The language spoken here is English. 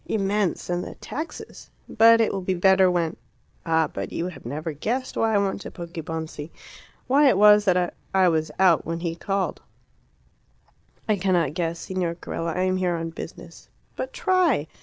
"Immense; and the taxes! But it will be better when Ah! but you have never guessed why I went to Poggibonsi why it was that I was out when he called." "I cannot guess, Signor Carella. I am here on business." "But try."